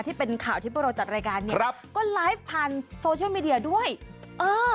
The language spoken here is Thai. ที่เป็นข่าวที่พวกเราจัดรายการเนี่ยครับก็ไลฟ์ผ่านโซเชียลมีเดียด้วยเออ